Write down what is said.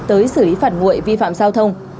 tới xử lý phản nguội vi phạm giao thông